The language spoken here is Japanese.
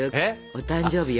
お誕生日よ？